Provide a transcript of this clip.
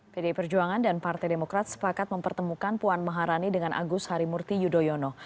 pdi perjuangan dan partai demokrat sepakat mempertemukan puan maharani dengan agus harimurti yudhoyono